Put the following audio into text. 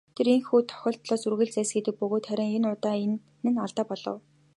Тэр иймэрхүү тохиолдлоос үргэлж зайлсхийдэг бөгөөд харин энэ удаа энэ нь алдаа болов.